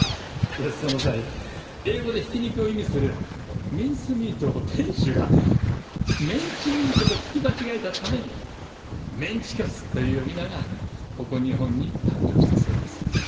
その際英語でひき肉を意味する「Ｍｉｎｃｅｍｅａｔ」を店主が「メンチミート」と聞き間違えたために「メンチカツ」という呼び名がここ日本に誕生したそうです。